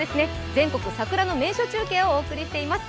全国桜の名所中継をお送りしています。